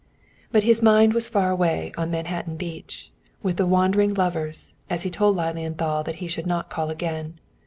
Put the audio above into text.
But his mind was far away on Manhattan Beach, with the wandering lovers, as he told Lilienthal that he should not call again.